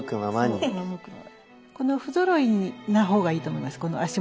この不ぞろいな方がいいと思います。